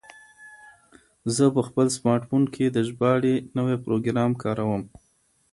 زه په خپل سمارټ فون کې د ژباړې نوی پروګرام کاروم.